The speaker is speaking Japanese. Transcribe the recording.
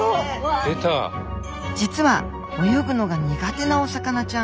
実は泳ぐのが苦手なお魚ちゃん。